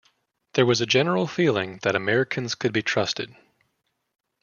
There was a general feeling that Americans could be trusted.